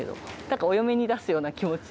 なんかお嫁に出すような気持ち。